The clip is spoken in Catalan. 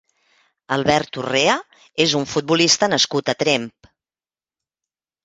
Albert Urrea és un futbolista nascut a Tremp.